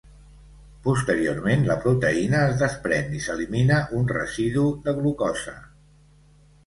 Posteriorment, la proteïna es desprèn i s'elimina un residu de glucosa.